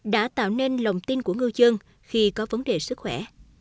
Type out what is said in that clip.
đã tạo nên lòng tin của ngư dân khi có vấn đề sức khỏe